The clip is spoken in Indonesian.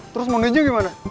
terus mondi juga gimana